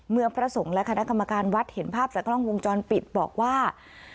พระสงฆ์และคณะกรรมการวัดเห็นภาพจากกล้องวงจรปิดบอกว่า